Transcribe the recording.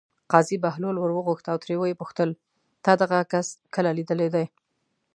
قاضي بهلول ور وغوښت او ترې ویې پوښتل: تا دغه کس کله لیدلی دی.